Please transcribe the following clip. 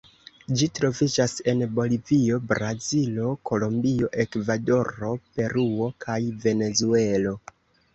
Ĝi troviĝas en Bolivio, Brazilo, Kolombio, Ekvadoro, Peruo kaj Venezuelo.